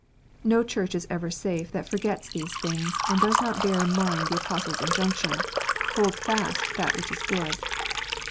No Church is ever safe that forgets these things, and does not bear in mind the Apostle s injunction :" Hold fast that which is good."